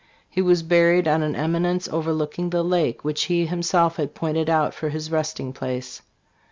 He was buried on an eminence overlooking the lake, which he himself had pointed out for his resting place.